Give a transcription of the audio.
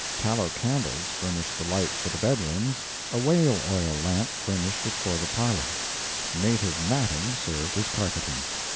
Tallow candles furnished the light for the bedrooms, a whale oil lamp furnished it for the parlor. Native matting served as carpeting.